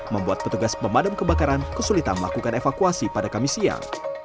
membuat petugas pemadam kebakaran kesulitan melakukan evakuasi pada kamis siang